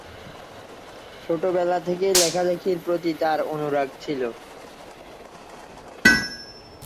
ছোটবেলা থেকেই লেখালেখির প্রতি তার অনুরাগ ছিল।